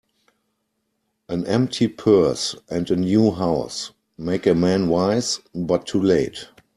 An empty purse, and a new house, make a man wise, but too late.